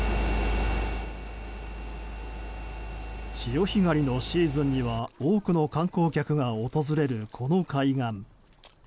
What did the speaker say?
潮干狩りのシーズンには多くの観光客が訪れるこの海岸。